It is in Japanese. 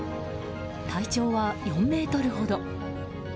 体長は４ｍほど。